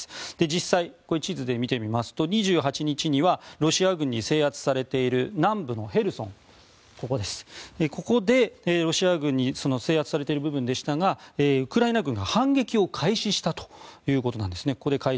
実際、地図で見てみますと２８日にはロシア軍に制圧されている南部のヘルソン、ロシア軍に制圧されている部分でしたがウクライナ軍が反撃を開始したということなんです。